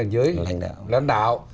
giới lãnh đạo